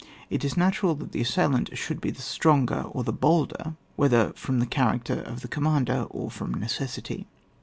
It is natural that the assailant should be the stronger^ or the holder^ whether from the character of the com mander or from necessity.